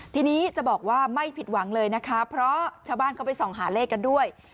ทีนี้จะบอกว่าไม่ผิดหวังเลยนะคะเพราะชาวบ้านเขาไปส่องหาเลขกันด้วย